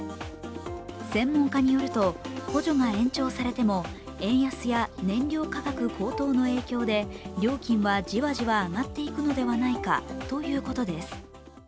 専門家によると、補助が延長されても円安や燃料価格高騰の影響で料金はじわじわ上がっていくのではないかということです。